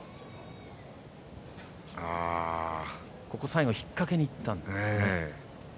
最後引っ掛けにいったんですね。